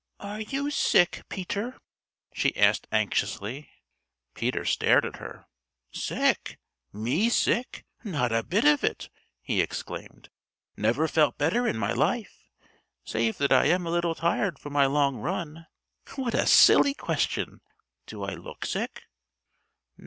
"Are you sick, Peter?" she asked anxiously. Peter stared at her. "Sick! Me sick! Not a bit of it!" he exclaimed. "Never felt better in my life, save that I am a little tired from my long run. What a silly question! Do I look sick?"